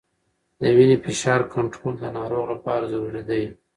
د وینې فشار کنټرول د ناروغ لپاره ضروري دی.